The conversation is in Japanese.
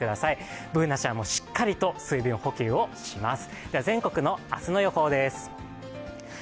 Ｂｏｏｎａちゃんもしっかりと水分補給をします。